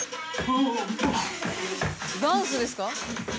ダンスですか？